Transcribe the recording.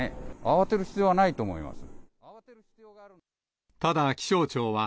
慌てる必要はないと思います。